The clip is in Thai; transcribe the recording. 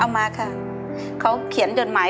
มาค่ะเขาเขียนจดหมาย